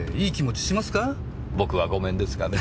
僕はご免ですがね。